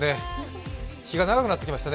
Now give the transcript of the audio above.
日が長くなってきましたね。